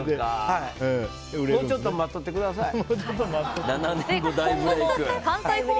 もうちょっと待っとってください。